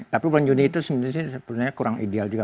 tapi bulan juni itu sebenarnya kurang ideal juga